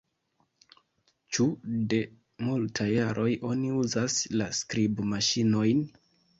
Ĉu de multaj jaroj oni uzas la skribmaŝinojn?